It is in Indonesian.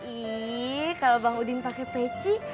ih kalau bang udin pakai peci